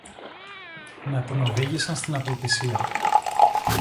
να την οδήγησαν στην απελπισία